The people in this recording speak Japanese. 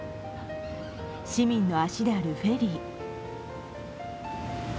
市民の足であるフェリー。